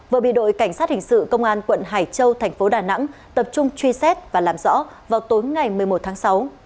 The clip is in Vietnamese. vừa bị đội cảnh sát hình sự công an quận hải châu thành phố đà nẵng tập trung truy xét và làm rõ vào tối ngày một mươi một tháng sáu